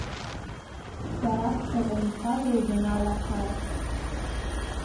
Шәарах, шаҟаҩ нхада угәанала ҳар?